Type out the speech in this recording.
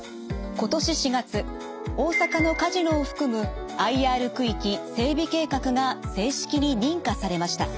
今年４月大阪のカジノを含むＩＲ区域整備計画が正式に認可されました。